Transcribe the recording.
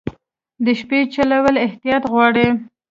د شپې چلول احتیاط غواړي.